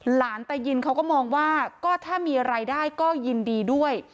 ตายินเขาก็มองว่าก็ถ้ามีรายได้ก็ยินดีด้วย